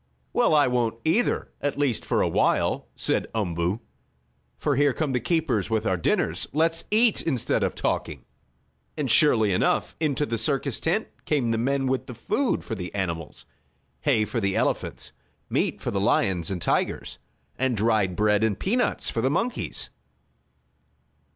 "Well, I won't either at least for a while," said Umboo. "For here come the keepers with our dinners. Let's eat instead of talking." And surely enough, into the circus tent came the men with the food for the animals hay for the elephants, meat for the lions and tigers, and dried bread and peanuts for the monkeys.